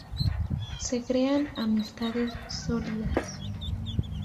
Se crean amistades sólidas.